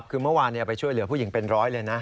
คือเมื่อวานไปช่วยเหลือผู้หญิงเป็นร้อยเลยนะ